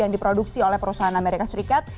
yang diproduksi oleh perusahaan amerika serikat